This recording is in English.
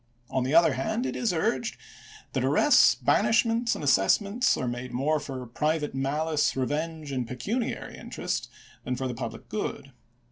On the other hand, it is urged that arrests, banishments, and assessments are made more for private mahce, revenge, and pecuniary interest than for the public good.